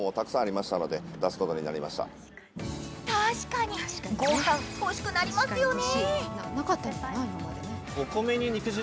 確かにご飯、ほしくなりますよね